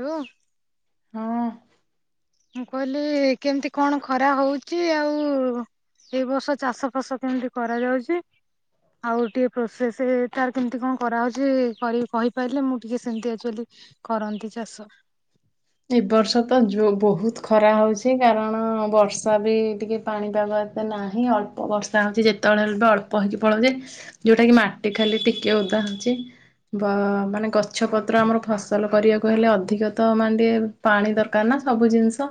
Hello. ହଁ। ମୁଁ କହିଲି କେମିତି କଣ ଖରା ହଉଚି, ଆଉ ଏ ବର୍ଷ ଚାଷ ଫାସ କେମିତି କରାଯାଉଛି? ଆଉ ଟିକେ ପ୍ରୋସେସ ତାର କେମତି କଣ କରାହଉଚି, କହିପାରିଲେ ମୁଁ ଟିକେ ସେମତି ଆଚୁଆଲି କରନ୍ତି ଚାଷ। ଏ ବର୍ଷ ତ ଜୋ ବହୁତ ଖରା ହଉଚି କାରଣ ବର୍ଷା ବି ଟିକେ ପାଣିପାଗ ଏତେ ନାହିଁ। ଅଳ୍ପ ବର୍ଷା ହଉଚି, ଯେତେବେଳେ ହେଲେ ବି ଅଳ୍ପ ହେଇକି ପଳଉଚି ଯୋଉଟା କି ମାଟି ଖାଲି ଟିକେ ଓଦା ହଉଚି ମାନେ ଗ ଗଛପତ୍ର ଆମର ଫସଲ କରିବାକୁ ହେଲେ ଅଧିକ ତ ମାନ ଟିକେ ପାଣି ଦରକାର ନା ସବୁ ଜିନିଷ।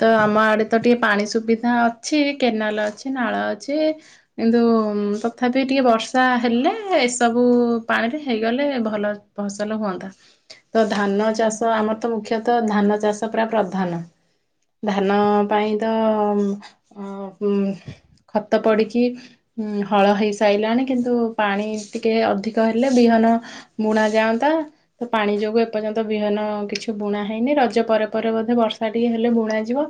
ତ ଆମ ଆଡେ ତ ଟିକେ ପାଣି ସୁବିଧା ଅଛି, କେନାଲ ଅଛି, ନାଳ ଅଛି କିନ୍ତୁ ତଥାପି ଟିକେ ବର୍ଷା ହେଲେ ଏସବୁ ପାଣିରେ ହେଇଗଲେ ଭଲ ଫସଲ ହୁଅନ୍ତା। ତ ଧାନ ଚାଷ ଆମର ତ ମୁଖ୍ୟତଃ ଧାନ ଚାଷ ପ୍ରାୟ ପ୍ରଧାନ। ଧାନ ପାଇଁ ତ ଖତ ପଡ଼ିକି ଉଁ ହଳ ହେଇସାରିଲାଣି କିନ୍ତୁ ପାଣି ଟିକେ ଅଧିକ ହେଲେ ବିହନ ବୁଣା ଯାଆନ୍ତା। ତ ପାଣି ଯୋଗୁଁ ଏପର୍ଯ୍ୟନ୍ତ ବିହନ କିଛି- କି ବୁଣା ହେଇନି। ରଜ ପରେ ପରେ ବୋଧେ ବର୍ଷା ଟିକେ ହେଲେ ବୁଣା ଯିବ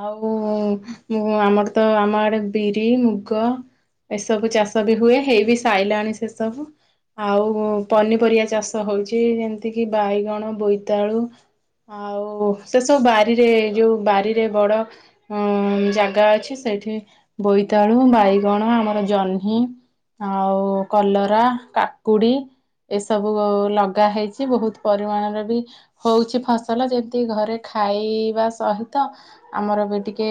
ଆଉ ଉ ଆମର ତ ଆମ ଆଡେ ବିରି, ମୁଗ ଏସବୁ ଚାଷ ବି ହୁଏ, ହେଇବି ସାଇଲାଣି ସେସବୁ। ଆଉ ପନିପରିବା ଚାଷ ହଉଚି ଯେମତି କି ବାଇଗଣ ବୋଇତାଳୁ ଆଉ ସେସବୁ ବାରିରେ ଯଉ ବାରିରେ ବଡ଼ ଅ ଜାଗା ଅଛି ସେଇ ହଉଚି ଫସଲ ଯେମତି ଘରେ ଖାଇବା ସହିତ, ଆମର ବି ଟିକେ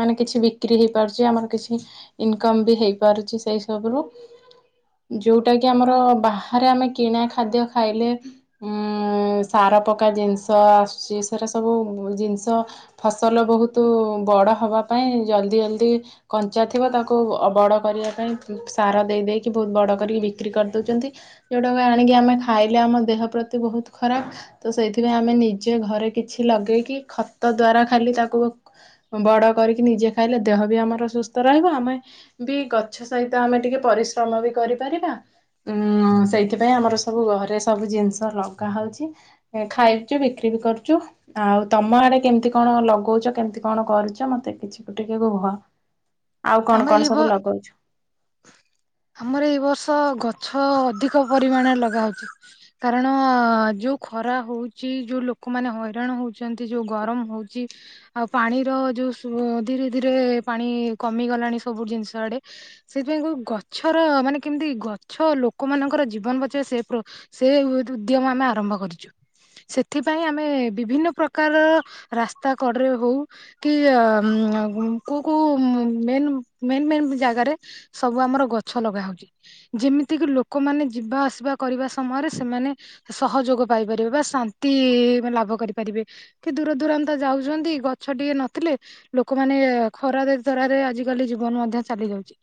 ମାନେ କିଛି ବିକ୍ରି ହେଇପାରୁଚି। ଆମର କିଛି ଇନକମ ବି ହେଇପାରୁଚି ସେଇ ସବୁରୁ। ଯଉଟା କି ଆମର ବାହାରେ ଆମେ କିଣା ଖାଦ୍ୟ ଖାଇଲେ ଉ ସାର ପକା ଜିନିଷ ଆସଚି, ସେଟା ସବୁ ଜିନିଷ ଫସଲ ବହୁତ ବଡ଼ ହେବା ପାଇଁ ଜଲ୍ଦି ଜଲ୍ଦି କଞ୍ଚା ଥିବ ତାକୁ ଅ ବଡ଼ କରିବା ପାଇଁ ସାର ଦେଇଦେଇକି ବହୁତ ବଡ଼ କରିକି ବିକ୍ରି କରିଦଉଚନ୍ତି। ଯଉଁଟାକ ଆଣିକି ଆମେ ଖାଇଲେ ଆମ ଦେହ ପ୍ରତି ବହୁତ ଖରାପ। ତ ସେଇଥିପାଇଁ ଆମେ ନିଜେ ଘରେ କିଛି ଲଗେଇକି ଖତ ଦ୍ଵାରା ଖାଲି ତାକୁ ବଡ କରିକି ନିଜେ ଖାଇଲେ ଦେହ ବି ଆମର ସୁସ୍ଥ ରହିବ। ଆମେ ବି ଗଛ ସହିତ ଆମେ ଟିକେ ପରିଶ୍ରମ ବି କରିପାରିବା। ଉଁ ସେଇଥିପାଇଁ ଆମର ସବୁ ଘରେ ସବୁ ଜିନିଷ ଲଗା ହଉଚି। ଖାଇଚୁ, ବିକ୍ରି ବି କରୁଚୁ। ଆଉ ତମ ଆଡେ କେମିତି କଣ ଲଗଉଚ, କେମତି କଣ କରୁଚ, ମତେ କିଛି ଟିକେ କୁହ। ଆଉ କଣ ଆମର କଣ ଏଇ ବ, ସବୁ ଲଗଉଛୁ? ଆମର ଏଇ ବର୍ଷ ଗଛ ଗଛ ଅଧିକ ପରିମାଣରେ ଲଗାହଉଚି କାରଣ ଯଉ ଖରା ହଉଚି, ଯଉ ଲୋକମାନେ ହଇରାଣ ହଉଚନ୍ତି, ଯୋଉ ଗରମ ହଉଚି, ଆଉ ପାଣିର ଯଉ ସୁଅ ଧୀରେ ଧୀରେ ପାଣି- କମିଗଲାଣି ସବୁ ଜିନିଷ ଆଡେ। ସେଥିପାଇଁ ଗଛର ମାନେ କେମିତି ଗଛ ଲୋକମାନଙ୍କର ଜୀବନ ବଚାଇବ ସେ ପ୍ର ସେ ଉଦ୍ୟମ ଆମେ ଆରମ୍ଭ କରିଚୁ। ସେଥିପାଇଁ ଆମେ ବିଭିନ୍ନ ପ୍ରକାରର ରାସ୍ତା କଡ଼ରେ ହଉ କି କଉ କଉ ମେନ୍ ମେନ୍ ମେନ୍ ଜାଗାରେ ସବୁ ଆମର ଗଛ ଲଗା ହଉଚି। ଯେମିତି କିି ଲୋକମାନେ ଯିବା ଆସିବା କରିବା ସମୟରେ ସେମାନେ ସହଯୋଗ ପାଇପାରିବେ ବା ଶାନ୍ତି ମାନ ଲାଭ କରିପାରିବେ କି ଦୂର ଦୂରାନ୍ତ ଯାଉଚନ୍ତି, ଗଛ ଟିକେ ନଥିଲେ ଲୋକମାନେ ଖରାରେ ଝାରରେ ଆଜିକାଲି ଜୀବନ ମଧ୍ୟ ଚାଲି ଯାଉଚି।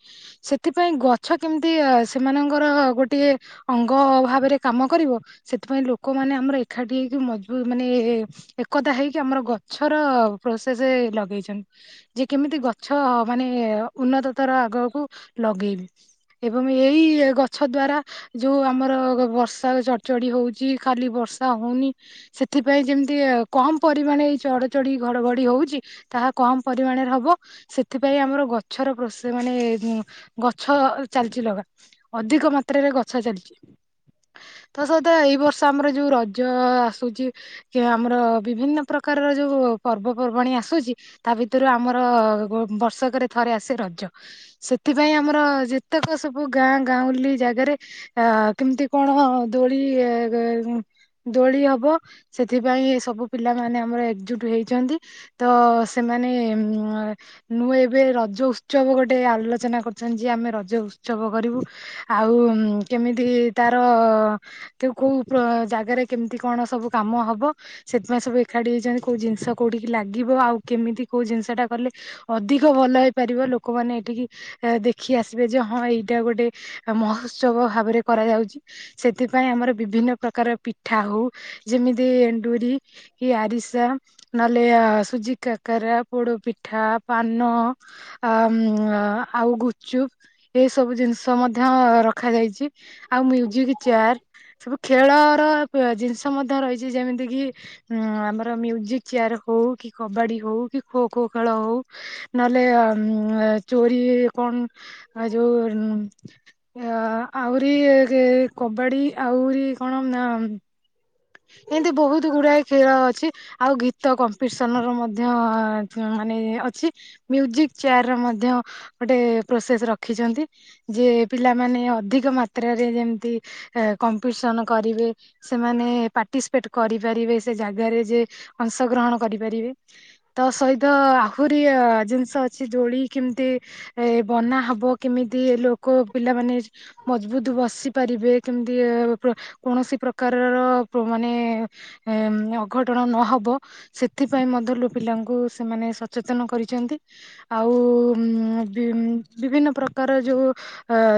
ସେଥିପାଇଁ ଗଛ କେମିତି ସେମାନଙ୍କର ଗୋଟିଏ ଅଙ୍ଗ ଭାବରେ କାମ କରିବ ସେଥିପାଇଁ ଲୋକମାନେ ଆମର ଏକାଠି ହେଇକି ମଜବୁତ ମାନେ ଏ-ଏ-ଏକତା ହେଇକି ଆମର ଗଛର ପ୍ରସେସ ଲଗେଇଛନ୍ତ, ଯେ କେମିତି ଗଛ ମାନେ ଉନ୍ନତତର ଆଗକୁ ଲଗେଇବି ଏବଂ ଏଇ ଗଛ ଦ୍ଵାରା ଯୋଉ ଆମର ବର୍ଷା ଚଡଚଡି ହଉଚି, ଖାଲି ବର୍ଷା ହଉନି। ସେଥିପାଇଁ ଯେମିତି କମ ପରିମାଣ ଏଇ ଚଡଚଢି ଘଡ଼ଘଡ଼ି ହଉଚି, ତାହା କମ ପରିମାଣରେ ହବ ସେ ସେଥିପାଇଁ ଆମର ଗଛର ପ୍ରସ ମାନେ ଗଛ ଚାଲିଚି ଲଗା। ଅଧିକ ମାତ୍ରାରେ ଗଛ ଚାଲିଚି। ତା ସହିତ ଏଇ ବର୍ଷ ଆମର ଯଉ ରଜ ଆସୁଚି ଯେ ଆମର ବିଭିନ୍ନ ପ୍ରକାରର ଯଉ ପର୍ବପର୍ବାଣୀ ଆସୁଚି ତା ଭିତରୁ ଆମର ଗୋ ବର୍ଷକରେ ଥରେ ଆସେ ରଜ। ସେଥିପାଇଁ ଆମର ଯେ ପ୍ରତ୍ୟେକ ସବୁ ଗାଁ ଗାଉଁଲି ଜାଗାରେ ଅ କେମିତି କଣ ଦୋଳି, ଦୋଳି ହବ ସେଥିପାଇଁ ସବୁ ପିଲାମାନେ ଆମର ଏକଜୁଟ ହେଇଚନ୍ତି, ତ ସେମାନେ ହଁ। ମୁଁ ଏବେ ରଜ ଉତ୍ସବ ଗୋଟେ ଆଲୋଚନା କରୁଚନ୍ତି, ଯେ ଆମେ ରଜ ଉତ୍ସବ କରିବୁ। ଆଉ କେମିତି ତାର କଉ କୋଉ ଜାଗାରେ କେମିତି କଣ ସବୁ କାମ ହବ, ସେଥିପାଇଁ ସବୁ ଏକାଠି ହେଇଚନ୍ତି। କଉ ଜିନିଷ କଉଠିକି ଲାଗିବ ଆଉ କେମିତି କଉ ଜିନିଷଟା କଲେ ଅଧିକ ଭଲ ହେଇପାରିବ ଲୋକମାନେ ଏଠିକି ଆ ଦେଖି ଆସିବେ ଯେ, ହଁ ଏଇଟା ଗୋଟେ ମହୋତ୍ସବ ଭାବରେ କରାଯାଉଛି। ସେଥିପାଇଁ ଆମର ବିଭିନ୍ନ ପ୍ରକାର ପିଠା ହଉ ଯେମିତି ଏଣ୍ଡୁରି କି ଆରିସା ନହେଲେ ସୁଜି କାକରା, ପୋଡ଼ ପିଠା। ପାନ, ଆ ଆଉ ଗୁଚୁପ ଏସବୁ ଜିନିଷ ମଧ୍ୟ ରଖାାଯାଇଚ। ଚି। ଆଉ ମ୍ୟୁଜିକ ଚେଆର ସବୁ ଖେଳର ପ ଜିନିଷ ମଧ୍ୟ ରହିଚି, ଯେମିତିକି ଆମର ମ୍ୟୁଜିକ୍ ଚେୟାର ହଉ କି କବାଡ଼ି ହଉ କି ଖୋ ଖୋ ଖେଳ ହଉ। ନହେଲେ ଏ ଚୋରି କଣ ଯଉ ଆ ଆହୁରି କବାଡି ଆହୁରି କଣ ନା ଏମିତି ବହୁତ ଗୁଡାଏ ଖେଳ ଅଛି ଆଉ ଗୀତ କମ୍ପିଟିସନର ମଧ୍ୟ ମାନେ ଅଛି। ମ୍ୟୁଜିକ ଚେଆରର ମଧ୍ୟ ଗୋଟେ ପ୍ରୋସେସ ରଖିଚନ୍ତି, ଯେ ପିଲାମାନେ ଅଧିକ ମାତ୍ରାରେ ଯେମିତି ଏ କମ୍ପିଟିସନ୍ କରିବେ। ସେମାନେ କରିପାରିବେ, ସେ ଜାଗାରେ ଯେ ଅଂଶଗ୍ରହଣ କରିପାରିବେ। ତା ସହିତ ଆହୁରି ଜିନିଷ ଅଛି। ଦୋଳି କେମିତି ଏ ବନା ହବ କିମିତି ଲୋକ ଏ ପିଲାମାନେ ମଜବୁତ୍ ବସି ପାରିବେ, କେମିତି ଏ ପ୍ର କୌଣସି ପ୍ରକାରର ପ୍ର ମାନେ ଅଘଟଣ ନହବ ସେଥିପାଇଁ ମଧ୍ୟ ଲୋ ପିଲାଙ୍କୁ ସେମାନେ ସଚେତନ କରିଛନ୍ତି। ଆଉ ହୁଁ ବିଭିନ୍ନ ପ୍ରକାର ଯେଉଁ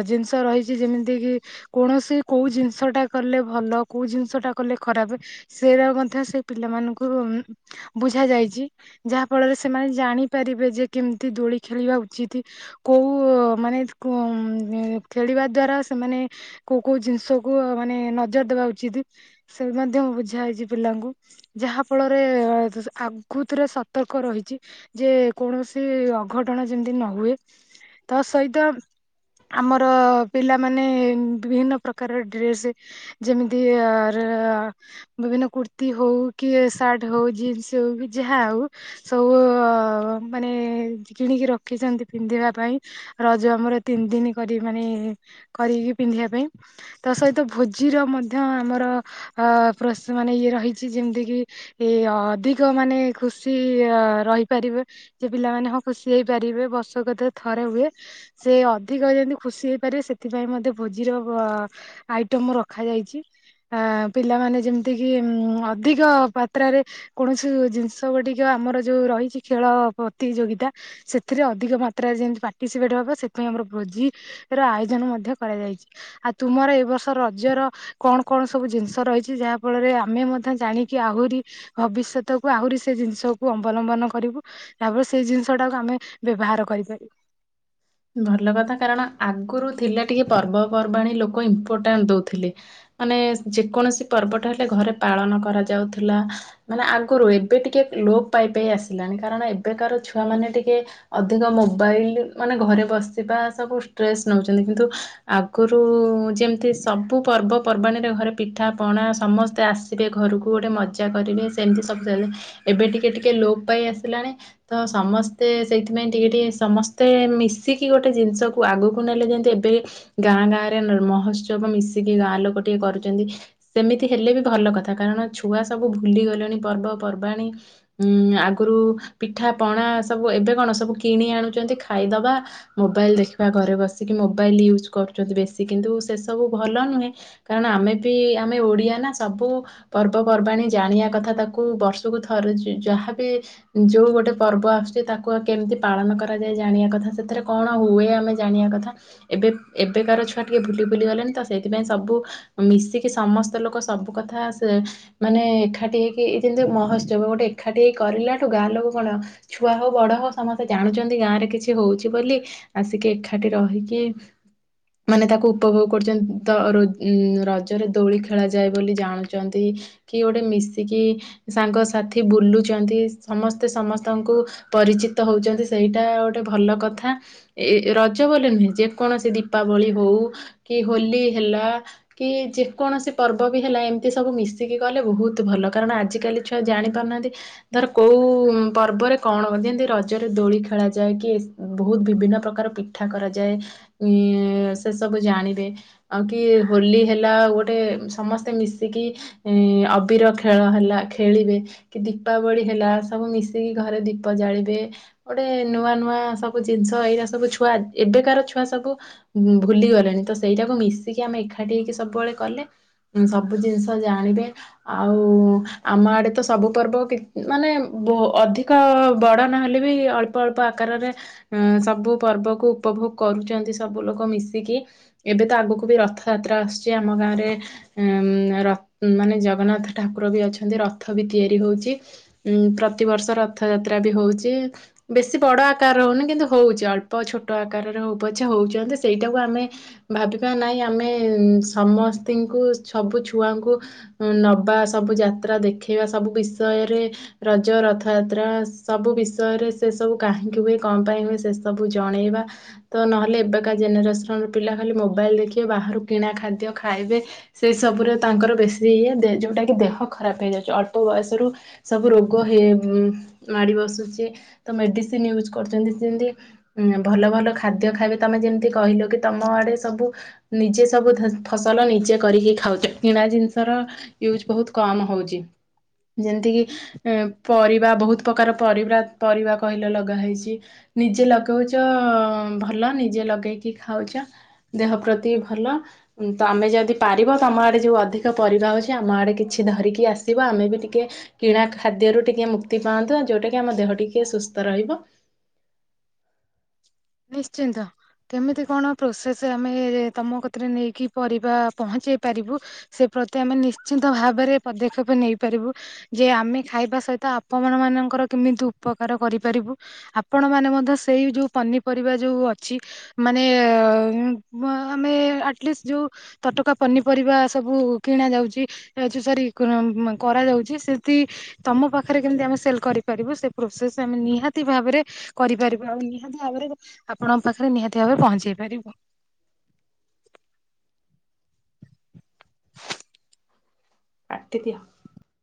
ଜିନିଷ ରହିଛି ଯେମିତିକି କୌଣସି କେଉଁ ଜିନିଷଟା କଲେ ଭଲ କେଉଁ ଜିନିଷଟା କଲେ ଖରାପ ସେଟ ମଧ୍ୟ ସେ ପିଲାମାନଙ୍କୁ ବୁଝା ଯାଇଛି ଯାହା ଫଳରେ ସେମାନେ ଜାଣିପାରିବେ ଯେ କେମିତି ଦୋଳି ଖେଳିବା ଉଚିତ କୋଉ ମାନେ ଖେଳିବା ଦ୍ଵାରା ସେମାନେ କୋଉ କୋଉ ଜିନିଷ କୁ ମାନେ ନଜର ଦେବା ଉଚିତ୍। ସେ ମା ବୁଝା ହେଇଛି ପିଲାଙ୍କୁ ଯାହା ଫଳରେ ଆଗୃତିରେ ସତର୍କ ରହିଛି ଯେ କୌଣସି ଅଘଟଣା ଯେମିତି ନ ହୁଏ। ତା ସହିତ ଆମର ପିଲାମାନେ ବିଭିନ୍ନ ପ୍ରକାର ଡ୍ରେସ ଯେମିତି ବିଭିନ୍ନ କୁର୍ତ୍ତିୀ ହଉ, କି ସାର୍ଟ ହଉ, ଜିନ୍ସ ହଉ, କି ଯାହା ହଉ ସବୁ ମାନେ କିଣିକି ରଖିଛନ୍ତି। ପିନ୍ଧିବା ପାଇଁ ରଜ ଆମର ତିନି ଦିନ କରି ମାନେ କରିକି ପିନ୍ଧିବା ପାଇଁ ତା ସହିତ ଭୋଜିର ମଧ୍ୟ ଆମର ଅ ମାନେ ଇଏ ରହିଛି ଯେମିତି କି ଏ ଅଧିକ ମାନେ ଖୁସି ରହିପାରିବେ ଯେ ପିଲାମାନେ ହଁ ଖୁସି ହେଇପାରିବେ ବର୍ଷକତ ଥରେ ହୁଏ। ସେ ଅଧିକ ଯେମିତି ଖୁସି ହେଇପାରିବେ ସେଥିପାଇଁ ମଧ୍ୟେ ଭୋଜିର ଆଇଟମ ରଖାଯାଇଛି। ଆ ପିଲାମାନେ ଯେମିତି କିି ଉଁ ଅଧିକ ଯାତ୍ରାରେ କୌଣସି ଜିନିଷ ଟିକେ ଆମର ଯେଉଁ ରହିଛି ଖେଳ ପ୍ରତିଯୋଗିତା ସେଥିରେ ଅଧିକ ମାତ୍ରାରେ ଯେମତି ପାର୍ଟିସିପେଟ୍ ହେବ ସେଥିପାଇଁ ଆମର ବୋଜିର ଆୟୋଜନ ମଧ୍ୟ କରାଯାଇଛି। ଆଉ ତୁମର ଏ ବର୍ଷ ରଜର କଣ କଣ ସବୁ ଜିନିଷ ରହିଛି ଯାହା ଫଳରେ ଆମେ ମଧ୍ୟ ଜାଣିକି ଆହୁରି ଭବିଷ୍ୟତକୁୁ ଆହୁରି ସେ ଜିନିଷକୁ ଅବଲମ୍ବନ କରିବୁ ଯାହା ଫରେ ସେଇ ଜିନିଷ ଟାକୁ ଆମେ ବ୍ୟବହାର କରିପାରିବୁ। ଭଲ କଥା କାରଣ ଆଗରୁ ଥିଲା ଟିକେ ପର୍ବପର୍ବାଣି ଲୋକ ଇମ୍ପୋର୍ଟାଣ୍ଟ ଦେଉଥିଲେ। ମାନେ ଯେକୌଣସି ପର୍ବଟା ହେଲେ ଘରେ ପାଳନ କରାଯାଉଥିଲା ମାନେ ଆଗରୁ ଏବେ ଟିକେ ଲୋପ ପାଇପ ଆସିଲାଣି କାରଣ ଏବେକାର ଛୁଆମାନୋନେ ଟିକେ ଅଧିକ ମୋବାଇଲ ମାନେ ଘରେ ବସିବା ସବୁ ଷ୍ଟ୍ରେସ୍ ନେଉଛନ୍ତି। କିନ୍ତୁ ଆଗରୁ ଯେମିତି ସବୁ ପର୍ବପର୍ବାଣିରେ ଘରେ ପିଠା ପଣା ସମସ୍ତେ ଆସିବେ ଘରକୁ ଗୋଟେ ମଜା କରିବେ ସେମିତି ସବୁ ଏବେ ଟିକେ ଟିକେ ଲୋପ ପାଇ ଆସିଲାଣି ତ ସମସ୍ତେ ସେଇଥିପାଇଁ ଟିକେ ଟିକେ ସମସ୍ତେ ମିଶ ମିଶିକି ଗୋଟେ ଜିନିଷକୁ ଆଗକୁ ନେଲେ ଯେମିତି ଏବେ ଗାଁ ଗାଁରେ ମହୋତ୍ସବ ମିଶିକି ଗାଁ ଲୋକ ଟିକଏ କରୁଛନ୍ତି। ସେମିତି ହେଲେ ବି ଭଲ କଥା କାରଣ ଛୁଆ ସବୁ ଭୁଲିଗଲେଣି ପର୍ବପର୍ବାଣୀ ଉ ଆଗରୁ ପିଠା ପଣା ସବୁ ଏବେ କଣ ସବୁ କିଣି ଆଣୁଛନ୍ତି ଖାଇଦବା ମୋବାଇଲ ଦେଖିବା ଘରେ ବସି ମୋବାଇଲ ୟୁଜ୍ କରୁଛନ୍ତି ବେଶୀ। କିନ୍ତୁ ସେ ସବୁ ଭଲ ନୁହେଁ କାରଣ ଆମେ ବି ଆମେ ଓଡିଆ ନା ସବୁ ପର୍ବପର୍ବାଣିୀ ଜାଣିବା କଥା ତାକୁ ବର୍ଷକୁ ଥ ଯାହାବି ଯୋଉ ଗୋଟେ ପର୍ବ ଆସୁଛି ତାକୁ କେମିତି ପାଳନ କରାଯାଏ। ଜାଣିବା କଥା ସେଥିରେ କଣ ହୁଏ ଆମେ ଜାଣିବା କଥା ଏବେ ଏବେକାର ଛୁଆ ଟିକେ ବୁଲି ବୁଲି ଗଲେଣିି ତ ସେଇଥିପାଇଁ ସବୁ ମିଶିକି ସମସ୍ତ ଲୋକ ସବୁ କଥା ମାନେ ଏକାଠି ହେଇକି ଯେମିତି ମହୋତ୍ସବ ଗୋଟେ ଏକାଠି ହେଇ କରିଲାଠୁ ଗାଁ ଲୋକ କଣ ଛୁଆ ହଉ ବଡ଼ ହଉ ସମସ୍ତେ ଜାଣୁଛନ୍ତି ଗାଁରେ କିଛି ହଉଛି ବୋଲି ଆସିକି ଏକାଠି ରହିକି ମାନେ ତାକୁ ଉପଭୋଗ କରୁଛନ୍ତି ତ ଉ ରଜରେ ଦୋଳି ଖେଳ ଯାଏ ବୋଲି ଜାଣୁଛନ୍ତି କି ଗୋଟେ ମିଶିକି ସାଙ୍ଗସଥି ବୁଲୁଛନ୍ତି। ସମସ୍ତେ ସମସ୍ତଙ୍କୁ ପରିଚିତ ହଉଛନ୍ତି। ସେଇଟା ଗୋଟେ ଭଲ କଥା। ଏ ରଜ ବୋଲି ନୁହେଁ ଯେକୌଣସି ଦୀପାବଳି ହଉ କି ହୋଲି ହେଲା କି ଯେ କୌଣସି ପର୍ବ ବି ହେଲା ଏମିତି ସବୁ ମିଶିକି ଗଲେ ବହୁତ ଭଲ କାରଣ ଆଜିକାଲି ଛୁଆ ଜାଣି ପାରୁନାହାନ୍ତି ଧର କୋଉ ପର୍ବରେ କଣ ଯେମିତି ରଜରେ ଦୋଳି ଖେଳାଯାଏ। କି ବହୁତ ବିଭିନ୍ନ ପ୍ରକାର ପିଠା କରାଯାଏ ଉ ସେ ସବୁ ଜାଣିବେ ଆଉ କି ହୋଲି ହେଲା ଆ ଗୋଟେ ସମସ୍ତେ ମିଶିକି ଅବିର ଖେଳ ହେଲା ଖେଳିବେ କି ଦୀପାବଳି ହେଲା ସବୁ ମିଶିକି ଘରେ ଦୀପ ଜାଳିବେ ଗୋଟେ ନୂଆ ନୂଆ ସବୁ ଜିନିଷ ଏଇ ସବୁ ଛୁଆ ଏବେକାର ଛୁଆ ସବୁ ଭୁଲିଗଲେଣି ତ ସେଇଟାକୁ ମିଶିକି ଆମେ ଏକାଠି ହେଇକି ସବୁବେଳେ କଲେ ସବୁ ଜିନିଷ ଜାଣିବେ। ଆଉ ଆମ ଆଡେ ତ ସବୁ ପର୍ବ ମାନେ ଅଧିକ ବଡ଼ ନହେଲେ ବି ଅଳ୍ପ ଅଳ୍ପ ଆକାରରେ ସବୁ ପର୍ବକୁ ଉପଭୋଗ କରୁଛନ୍ତି ସବୁ ଲୋକ ମିଶିକି। ଏବେ ତ ଆଗକୁ ବି ରଥଯାତ୍ରା ଆସୁଛି ଆମ ଗାଁରେ ମାନେ ଜଗନ୍ନାଥ ଠାକୁର ବି ଅଛନ୍ତି ରଥ ବି ତିଆରି ହେଉଛି। ପ୍ରତିବର୍ଷ ରଥଯାତ୍ରା ବି ହେଉଛି ବେଶୀ ବଡ଼ ଆକାର ହେଉନି କିନ୍ତୁ ହେଉଛି ଅଳ୍ପ ଛୋଟ ଆକାରରେଉଛେ ହଉଛନ୍ତି ସେଇଟାକୁ ଆମେ ଭାବିବା ନାହିଁ ଆମେ ସମସ୍ତିଙ୍କୁ ସବୁ ଛୁଆଙ୍କୁ ନବା ସବୁ ଯାତ୍ରା ଦେଖେଇବା ସବୁ ବିଷୟରେ ରଜ ରଥଯାତ୍ରା ସବୁ ବିଷୟରେ ସେ ସବୁ କାହିଁକି ହୁଏ କଣ ପାଇଁ ହୁଏ ସେ ସବୁ ସବୁ ଜଣେଇବା ତ ନହେଲେ ଏବେକା ଜେନେରେସନର ପିଲା ଖାଲି ମୋବାଇଲ ଦେଖିବେ ବାହାରୁ କିଣା ଖାଦ୍ୟ ଖାଇବେ ସେଇ ସବୁରେ ତାଙ୍କର ବେଶୀ ଇଏ ଯେଉଁଟାକି ଦେହ ଖରାପ ହେଇଯାଉଛି। ଅଳ୍ପ ବୟସରୁ ସବୁ ରୋଗ ମାଡ଼ି ବସୁଛି ତ ମେଡ଼ିସିନ ୟୁଜ୍ କରୁଛନ୍ତି ସେମିତି ଭଲ ଭଲ ଖାଦ୍ୟ ଖାଇବେ ତମେ ଯେମିତି କହିଲ କି ତମ ଆଡ଼େ ସବୁ ନିଜେ ସବୁ ଫସଲ ନିଜେ କରିକି ଖାଉଛ। କିଣା ଜିନିଷର ୟୁଜ ବହୁତ କମ୍ ହଉଛି ଯେମିତିକି ପରିବା ବହୁତ ପ୍ରକାର ପରିବା ପରିବା କହିଲ ଲଗା ହେଇଛି ନିଜେ ଲଗେ ଶ କଉଛ ଭଲ ନିଜେ ଲଗେଇକି ଖାଉଛ ଦେହ ପ୍ରତି ଭଲ ତ ଆମେ ଯଦି ପାରିବ ତମ ଆଡେ ଯୋଉ ଅଧିକ ପରିବା ଅଉଛି ଆମ ଆଡ଼େ କିଛି ଧରିକି ଆସିବ ଆମେ ବି ଟିକେ କିଣା ଖାଦ୍ୟରୁ ଟିକେ ମୁକ୍ତି ପାଆନ୍ତୁ ଯୋଉଟା କିି ଆମ ଦେହ ଟିକେ ସୁସ୍ଥ ରହିବ। ନିଶ୍ଚିନ୍ତ କେମିତି କଣ ପ୍ରୋସେସ ଆମେ ତମ କଥିରେ ନେଇକି ପରିବା ପହଞ୍ଚେଇ ପାରିବୁ ସେ ପ୍ରତି ଆମେ ନିଶ୍ଚିନ୍ତ ଭାବରେ ପଦକ୍ଷେପ ନେଇପାରିବୁ। ଯେ ଆମେ ଖାଇବା ସହିତ ଆପଣ ମାନଙ୍କର କେମିତି ଉପକାର କରିପାରିବୁ ଆପଣ ମାନେ ମଧ୍ୟ ସେଇ ଯୋଉ ପନିପରିବା ଯେଉଁ ଅଛି ମାନେ ଆମେ ଆଟଲିଷ୍ଟ ଯେଉଁ ତଟକା ପନିପରିବା ସବୁ କିଣାଯାଉଛି ଯେଉଁ ସରି କରାଯାଉଛି ସେଠି ତମ ପାଖରେ କେମିତି ଆମେ ସେଲ୍ କରିପାରିବୁ ସେ ପ୍ରୋସେସ୍ ଆମେ ନିହାତି ଭାବରେ କରିପାରିବା। ଆଉ ନିହାତି ଭାବରେ ଆପଣଙ୍କ ପାଖରେ ନିହାତି ଭାବରେ ପହଞ୍ଚେଇ ପାରିବୁ। କାଟି ଦିଅ।